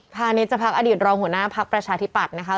พาณิชพักอดีตรองหัวหน้าพักประชาธิปัตย์นะคะ